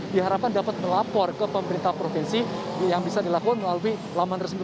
diharapkan dapat melapor ke pemerintah provinsi yang bisa dilakukan melalui laman resmi